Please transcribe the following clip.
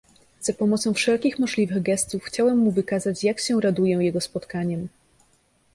"Za pomocą wszelkich możliwych gestów chciałem mu wykazać, jak się raduję jego spotkaniem."